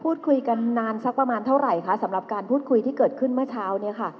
พูดคุยกันนานสักประมาณเท่าไหร่คะสำหรับการพูดคุยที่เกิดขึ้นเมื่อเช้าเนี่ยค่ะ